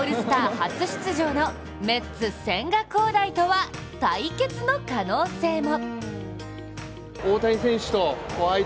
初出場のメッツ・千賀滉大とは対決の可能性も！